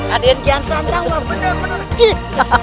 ada yang kian santan benar benar